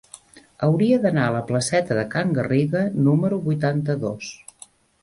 Hauria d'anar a la placeta de Can Garriga número vuitanta-dos.